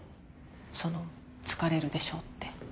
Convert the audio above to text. その疲れるでしょ？って。